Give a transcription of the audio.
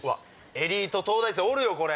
エリート東大生おるよこれ。